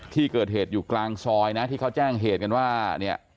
ที่เกิดเหตุอยู่กลางซอยนะที่เขาแจ้งเหตุกันว่าเนี่ย